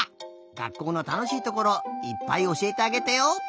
学校のたのしいところいっぱいおしえてあげてよ！